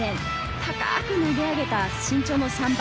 高く投げ上げた身長の３倍。